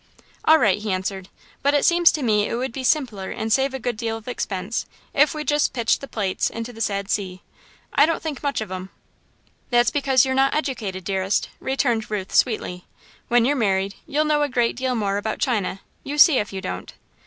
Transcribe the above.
"All right," he answered, "but it seems to me it would be simpler and save a good deal of expense, if we just pitched the plates into the sad sea. I don't think much of 'em." "That's because you're not educated, dearest," returned Ruth, sweetly. "When you're married, you'll know a great deal more about china you see if you don't."